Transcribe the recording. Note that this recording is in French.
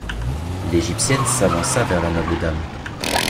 L’égyptienne s’avança vers la noble dame.